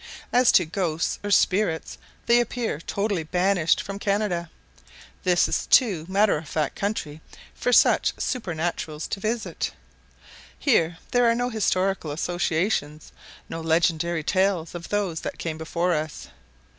As to ghosts or spirits they appear totally banished from Canada. This is too matter of fact country for such supernaturals to visit. Here there are no historical associations, no legendary tales of those that came before us.